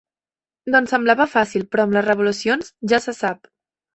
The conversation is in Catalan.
Doncs semblava fàcil, però amb les revolucions, ja se sap.